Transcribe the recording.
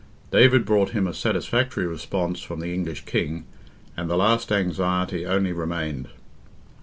David brought him a satisfactory response from the English King, and the last anxiety only remained.